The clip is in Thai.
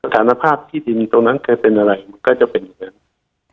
ฐานภาพที่ดินตรงนั้นเคยเป็นอะไรมันก็จะเป็นอย่างนั้น